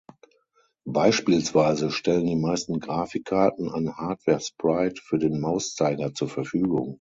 Beispielsweise stellen die meisten Grafikkarten ein Hardware-Sprite für den Mauszeiger zur Verfügung.